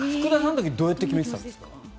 福田さんの時はどう決めてたんですか？